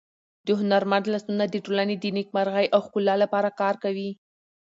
د هنرمند لاسونه د ټولنې د نېکمرغۍ او ښکلا لپاره کار کوي.